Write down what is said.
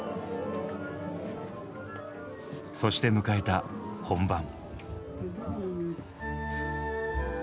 そして迎えた本番。